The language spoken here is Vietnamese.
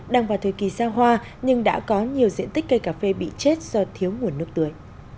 đang vào thời kỳ ra hoa nhưng đã có nhiều diện tích cây cà phê bị chết do thiếu nguồn nước tưới